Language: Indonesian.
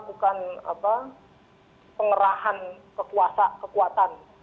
bukan pengerahan kekuasaan kekuatan